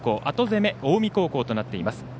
後攻め、近江高校となっています。